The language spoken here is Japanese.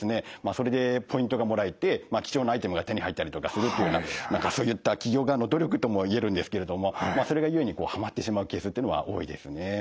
それでポイントがもらえて貴重なアイテムが手に入ったりとかするっていうような何かそういった企業側の努力ともいえるんですけれどもそれが故にはまってしまうケースってのは多いですね。